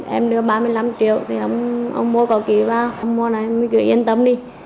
em đưa ba mươi năm triệu thì ông mua có kỹ vào ông mua này cứ yên tâm đi